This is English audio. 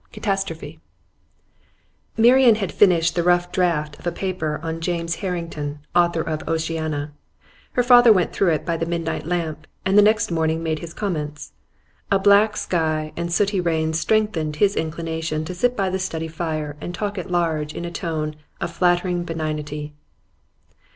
CATASTROPHE Marian had finished the rough draft of a paper on James Harrington, author of 'Oceana.' Her father went through it by the midnight lamp, and the next morning made his comments. A black sky and sooty rain strengthened his inclination to sit by the study fire and talk at large in a tone of flattering benignity.